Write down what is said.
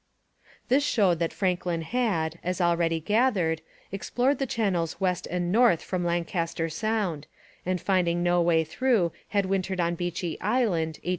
This showed that Franklin had, as already gathered, explored the channels west and north from Lancaster Sound, and finding no way through had wintered on Beechey Island (1845 46).